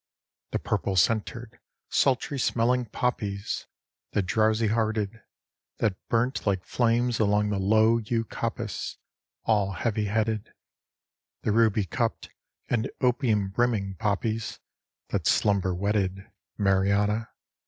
The purple centered, sultry smelling poppies, The drowsy hearted, That burnt like flames along the low yew coppice; All heavy headed, The ruby cupped and opium brimming poppies, That slumber wedded, Mariana!